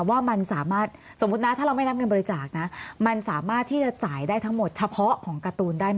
ว่ามันสามารถสมมุตินะถ้าเราไม่นับเงินบริจาคนะมันสามารถที่จะจ่ายได้ทั้งหมดเฉพาะของการ์ตูนได้ไหม